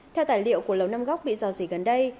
theo tài liệu của lầu năm góc bị rò rỉ gần đây